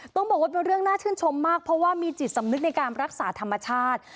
ต้องบอกว่าเป็นเรื่องน่าชื่นชมมากเพราะว่ามีจิตสำนึกในการรักษาธรรมชาติ